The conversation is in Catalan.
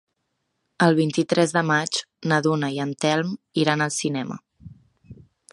El vint-i-tres de maig na Duna i en Telm iran al cinema.